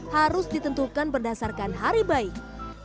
harus ditentukan berdasarkan hari baik